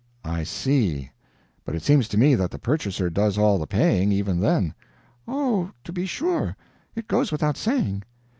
"I see. But it seems to me that the purchaser does all the paying, even then." "Oh, to be sure! It goes without saying."